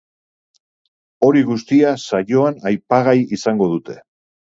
Hori guztia saioan aipagai izango dute.